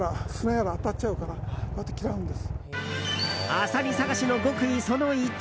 アサリ探しの極意、その１。